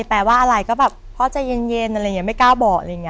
ก็แปลว่าพ่อจะเย็นไม่กล้าบอก